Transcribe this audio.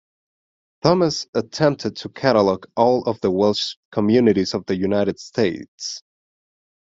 Thomas attempted to catalogue all of the Welsh communities of the United States.